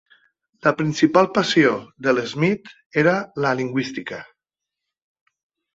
La principal passió de Schmidt era la lingüística.